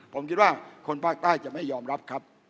ผมคิดว่าคนภาคใต้จะไม่ยอมรับครับ